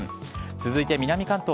続いて南関東。